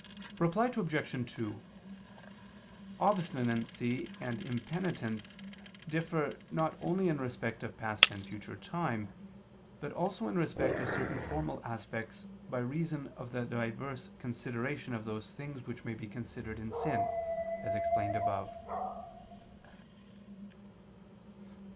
Reply Obj. 2: Obstinacy and impenitence differ not only in respect of past and future time, but also in respect of certain formal aspects by reason of the diverse consideration of those things which may be considered in sin, as explained above.